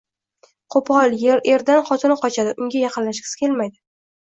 Qo‘pol erdan xotini qochadi, unga yaqinlashgisi kelmaydi.